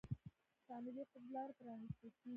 د شمالي قطب لارې پرانیستل کیږي.